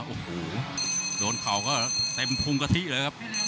โอ้โหโดนเข่าก็เต็มพุงกะทิเลยครับ